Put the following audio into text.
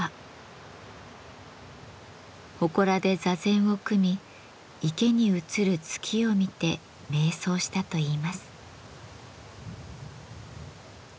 ほこらで座禅を組み池に映る月を見てめい想したといいます。